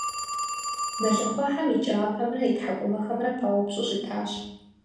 Мэлыхъуэхьэм и кӀапэмрэ и тхьэкӀумэхэмрэ паупщӀу щытащ.